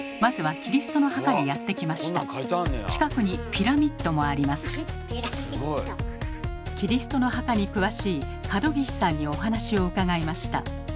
キリストの墓に詳しい角岸さんにお話を伺いました。